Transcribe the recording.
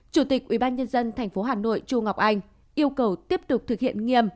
chủ tịch ubnd tp hà nội chu ngọc anh yêu cầu tiếp tục thực hiện nghiêm